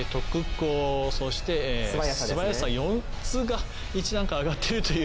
こうそしてすばやさ４つが１段階上がっているという。